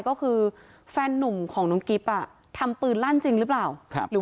ก็คือแฟนนุ่มของน้องกิ๊บอ่ะทำปืนลั่นจริงหรือเปล่าครับหรือ